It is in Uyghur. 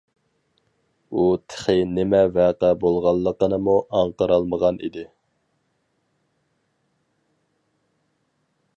ئۇ تېخى نېمە ۋەقە بولغانلىقىنىمۇ ئاڭقىرالمىغان ئىدى!